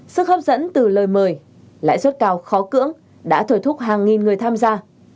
sức hấp dẫn từ lời mời lãi suất cao khó cưỡng đã thổi thúc hàng nghìn người tham gia